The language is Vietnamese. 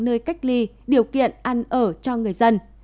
nơi cách ly điều kiện ăn ở cho người dân